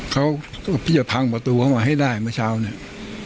เขาพี่จะพังประตูเข้ามาให้ได้เมื่อเช้าเนี่ย